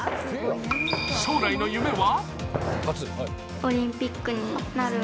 将来の夢は？